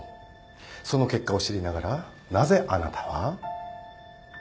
その結果を知りながらなぜあなたは？